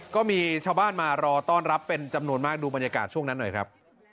ก็มีชาวบ้านมารอต้อนรับเป็นจำนวนมากดูบรรยากาศช่วงนั้นหน่อยครับ